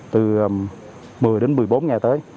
từ một mươi đến một mươi bốn ngày tới